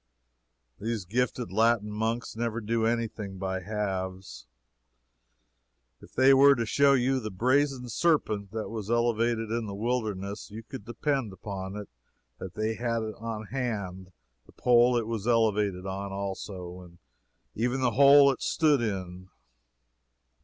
These gifted Latin monks never do any thing by halves. If they were to show you the Brazen Serpent that was elevated in the wilderness, you could depend upon it that they had on hand the pole it was elevated on also, and even the hole it stood in.